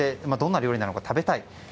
どんな料理なのか食べたい。